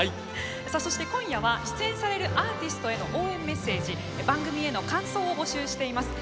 さあそして今夜は出演されるアーティストへの応援メッセージ番組への感想を募集しています。